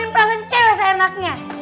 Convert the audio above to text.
mainin perasaan cewek seenaknya